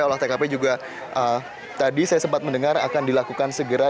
olah tkp juga tadi saya sempat mendengar akan dilakukan segera